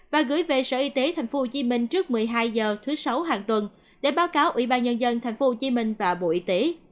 và gửi về sở y tế tp hcm trước một mươi hai h thứ sáu hàng tuần để báo cáo ủy ban nhân dân tp hcm và bộ y tế